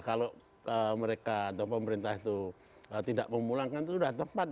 kalau mereka atau pemerintah itu tidak memulangkan itu sudah tepat